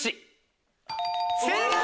正解！